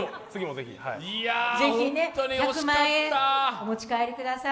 ぜひ１００万円、お持ち帰りください。